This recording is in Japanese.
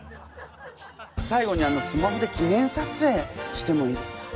最後にスマホで記念さつえいしてもいいですか？